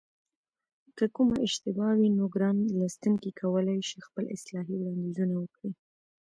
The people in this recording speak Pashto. که کومه اشتباه وي نو ګران لوستونکي کولای شي خپل اصلاحي وړاندیزونه وکړي